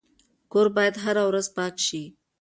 کور باید هره ورځ پاک شي.